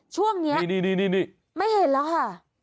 ช่วงนี้นี่ไม่เห็นแล้วค่ะ